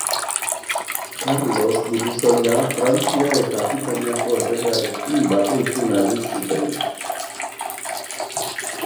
Karlos Burusoila Frantzia eta Akitaniako erregearekin bake-ituna egin zuten.